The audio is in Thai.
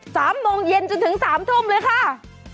โมงเย็นจนถึงสามทุ่มเลยค่ะ